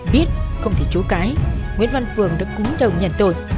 biết không thể chối cái nguyễn văn phường đã cúng đầu nhận tội